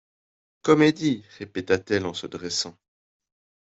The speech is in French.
—«Comédie !» répéta-t-elle en se dressant.